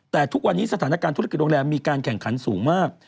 แต่ทุกวันนี้สถานการณ์ธุรกิจโรงแรมมีการแข่งขันสูงมาก